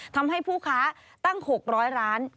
ทำให้ผู้คะตั้ง๖บาทร้อยร้าน